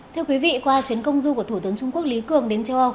thưa quý vị qua chuyến công du của thủ tướng trung quốc lý cường đến châu âu